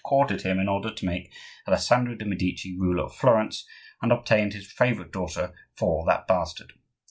courted him in order to make Alessandro de' Medici ruler of Florence, and obtained his favorite daughter for that bastard.